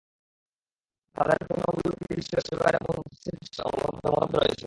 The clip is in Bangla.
তাদের পণ্যমূল্য কি জিনিস ছিল সে ব্যাপারে মুফাসসিরদের মধ্যে মতভেদ রয়েছে।